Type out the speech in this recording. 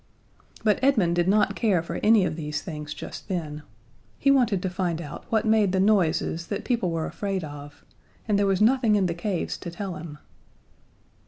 But Edmund did not care for any of these things just then. He wanted to find out what made the noises that people were afraid of, and there was nothing in the caves to tell him.